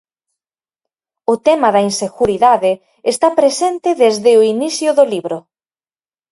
O tema da inseguridade está presente desde o inicio do libro.